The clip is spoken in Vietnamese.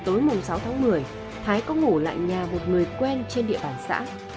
tối mùng sáu tháng một mươi thái có ngủ lại nhà một người quen trên địa bàn xã